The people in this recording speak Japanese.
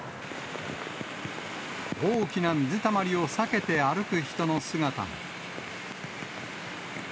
大きな水たまりを避けて歩く人の姿も。